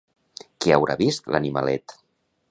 Què haurà vist l'animalet!